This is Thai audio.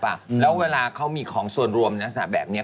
เพราะว่าเวลาเขามีของสวนรวมนะสระแบบเนี้ย